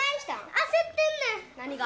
焦ってんねん何が？